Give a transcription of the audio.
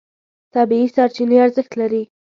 طبیعي سرچینې ارزښت لري.